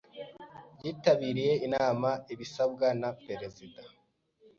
Yitabiriye inama abisabwe na perezida.